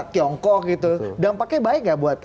tiongkok itu dampaknya baik gak buat